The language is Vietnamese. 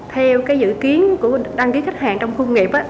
theo dự kiến của đăng ký khách hàng trong khu công nghiệp